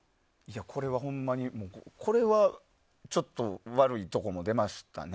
これはほんまに、ちょっと悪いところも出ましたね。